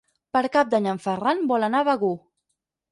Per Cap d'Any en Ferran vol anar a Begur.